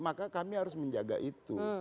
maka kami harus menjaga itu